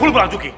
bulu pala juga